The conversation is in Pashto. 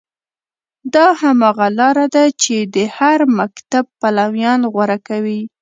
دا هماغه لاره ده چې د هر مکتب پلویان غوره کوي.